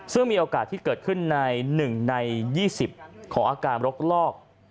ซึ่งมีโอกาสที่เกิดขึ้นใน๑ใน๒๐ของอาการรกลอก